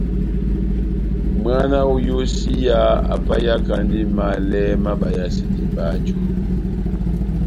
Mwána wa iyósiya apahiyakandi malɛ má bayasedi báju.